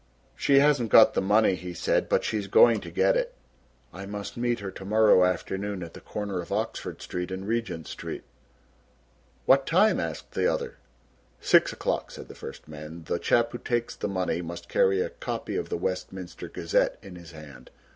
"She hasn't got the money," he said, "but she's going to get it. I must meet her to morrow afternoon at the corner of Oxford Street and Regent Street." "What time!" asked the other. "Six o'clock," said the first man. "The chap who takes the money must carry a copy of the Westminster Gazette in his hand."